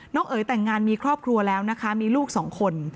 เอ๋ยแต่งงานมีครอบครัวแล้วนะคะมีลูกสองคน